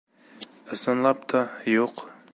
Ысынлап та, юҡ!